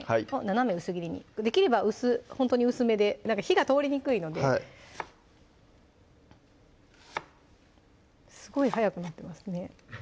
斜め薄切りにできればほんとに薄めで火が通りにくいのではいすごい速くなってますね